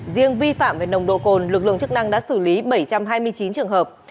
riêng vi phạm về nồng độ cồn lực lượng chức năng đã xử lý bảy trăm hai mươi chín trường hợp